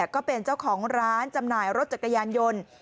ก็เป็นเจ้าของร้านจำหน่ายรถจักรยานยนต์